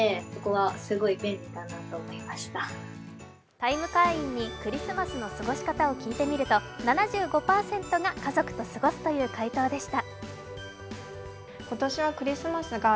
「ＴＩＭＥ，」会員にクリスマスの過ごし方を聞いてみると７５％が家族と過ごすという回答でした。